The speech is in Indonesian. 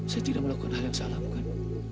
saya tidak melakukan hal yang salah bukan